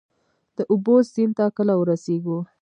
د اوبو، سیند ته کله ورسیږو؟